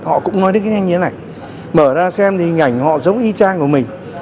họ cũng nói đến cái nhanh như thế này mở ra xem thì nhảy họ giống y chang của mình